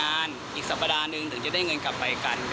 เราหนีกลับไปตอนเที่ยงลุงยังไม่บ่นเราสักคำเลย